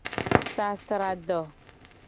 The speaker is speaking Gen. Sasrado.